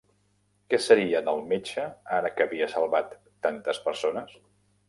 Què seria del metge ara que havia salvat tantes persones?